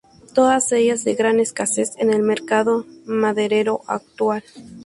Todas ellas de gran escasez en el mercado maderero actual.